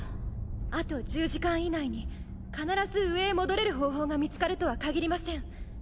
あと１０時間以内に必ず上へ戻れる方法が見つかるとはかぎりません。